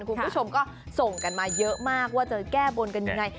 คุณผู้ชมก็ส่งกันมาเยอะมากว่าจะแก้บนกันยังไง